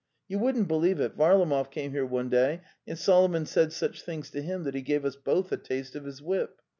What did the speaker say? You wouldn't believe it, Varlamov came here one day and Solomon said such things to him that he gave us both a taste of his whip.